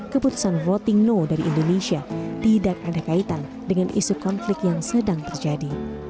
keputusan voting know dari indonesia tidak ada kaitan dengan isu konflik yang sedang terjadi